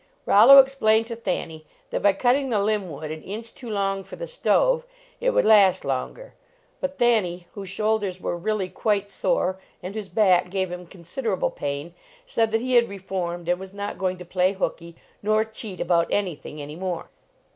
Rollo explained to Thanny that by cutting the limb wood an inch too long for the stove it would last long er. But Thanny, whose shoulders were re ally quite sore, and whose back gave him considerable pain, said that he had reformed, and was not going to play hookey, nor cheat about anything any more.